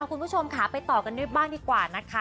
คุณผู้ชมค่ะไปต่อกันด้วยบ้างดีกว่านะคะ